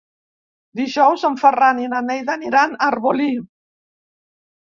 Dijous en Ferran i na Neida aniran a Arbolí.